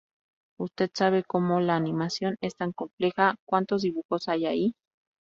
Usted sabe como, la animación es tan compleja, ¿Cuántos dibujos hay ahí?